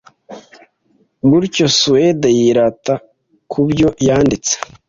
Gutyo Suwede yirata kubyo yanditse